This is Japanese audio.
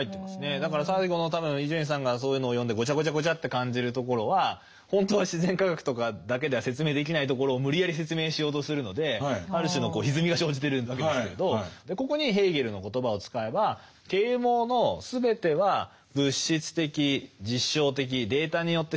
だから最後の多分伊集院さんがそういうのを読んでごちゃごちゃごちゃって感じるところは本当は自然科学とかだけでは説明できないところを無理やり説明しようとするのである種のひずみが生じてるわけですけれどここにヘーゲルの言葉を使えば啓蒙は信仰を誤謬だ迷信だって批判したわけですよね。